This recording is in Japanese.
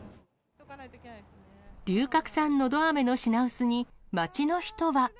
龍角散のど飴の品薄に、街の人は。